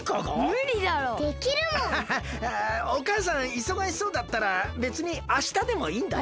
いそがしそうだったらべつにあしたでもいいんだよ。